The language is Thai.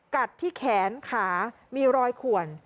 กัดที่แขนขามีรอยขวน